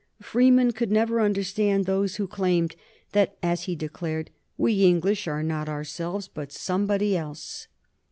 Freeman could never understand those who claimed that, as he declared, "we English are not ourselves but somebody else."